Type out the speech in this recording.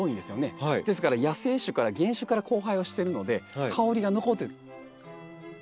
ですから野生種から原種から交配をしてるので香りが残ってる。